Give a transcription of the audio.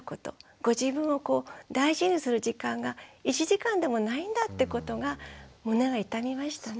ご自分を大事にする時間が１時間でもないんだってことが胸が痛みましたね。